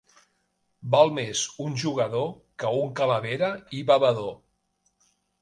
Val més un jugador que un calavera i bevedor.